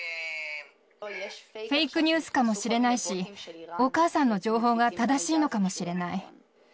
フェイクニュースかもしれないし、お母さんの情報が正しいのかもしれない。